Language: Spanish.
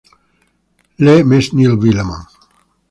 Le Mesnil-Villeman